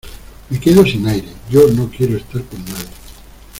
me quedo sin aire. yo no quiero estar con nadie